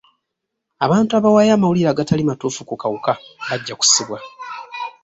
Abantu abawaayo amawulire agatali matuufu ku kawuka bajja kusibwa.